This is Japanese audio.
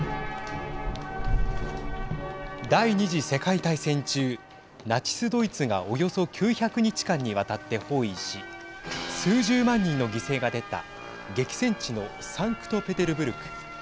第２次世界大戦中ナチス・ドイツがおよそ９００日間にわたって包囲し数十万人の犠牲が出た激戦地のサンクトぺテルブルク。